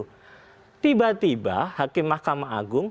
nah tiba tiba hakim mahkamah agung